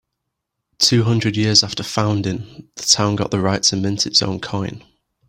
Two hundred years after founding, the town got the right to mint its own coin.